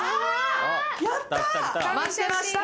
・やった！